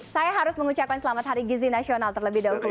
saya harus mengucapkan selamat hari gizi nasional terlebih dahulu